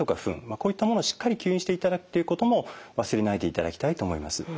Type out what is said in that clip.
こういったものをしっかり吸引していただくっていうことも忘れないでいただきたいと思います。